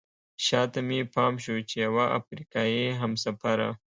شاته مې پام شو چې یوه افریقایي همسفره.